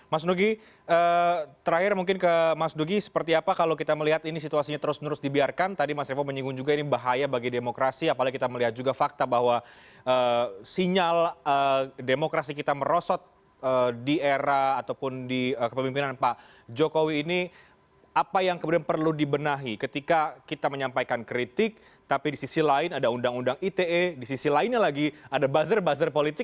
mas nuki terakhir mungkin ke mas nuki seperti apa kalau kita melihat ini situasinya terus terus dibiarkan tadi mas revo menyinggung juga ini bahaya bagi demokrasi apalagi kita melihat juga fakta bahwa sinyal demokrasi kita merosot di era ataupun di kepemimpinan pak jokowi ini apa yang kemudian perlu dibenahi ketika kita menyampaikan kritik tapi di sisi lain ada undang undang ite di sisi lainnya lagi ada buzzer buzzer politik